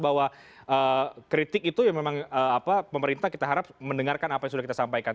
bahwa kritik itu ya memang pemerintah kita harap mendengarkan apa yang sudah kita sampaikan